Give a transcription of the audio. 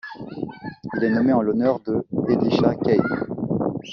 Il est nommé en l'honneur de Elisha Kane.